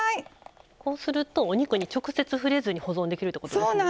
こうするとお肉に直接触れずに保存できるってことですね。